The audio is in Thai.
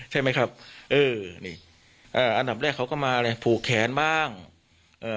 ใช่ไหมครับเออนี่อ่าอันดับแรกเขาก็มาอะไรผูกแขนบ้างเอ่อ